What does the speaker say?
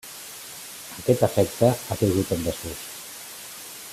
Aquest efecte ha caigut en desús.